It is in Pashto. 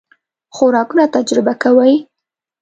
خوراکونه تجربه کوئ؟